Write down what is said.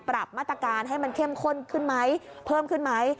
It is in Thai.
ปรับมาตรการให้มันเข้มข้นขึ้นไหมเพิ่มขึ้นไหม